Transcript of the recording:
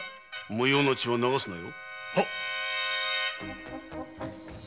無用の血は流すなよ。